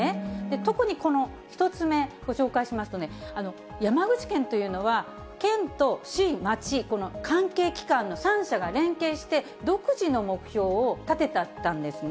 特にこの１つ目、ご紹介しますとね、山口県というのは、県と市、町、関係機関の３者が連携して、独自の目標を立てたんですね。